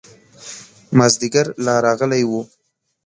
مازدیګر لا راغلی و.